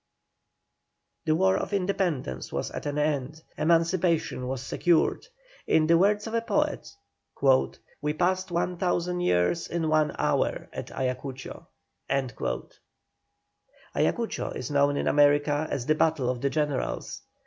The war of independence was at an end, emancipation was secured. In the words of a poet: "We passed one thousand years In one hour at Ayacucho." Ayacucho is known in America as the Battle of the Generals.